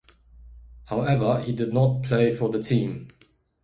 However he did not play for the team.